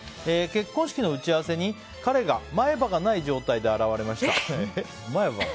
結婚式の打ち合わせに彼が前歯がない状態で現れました。